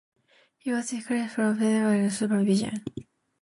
He was discharged from hospital the next day, but remained under medical supervision.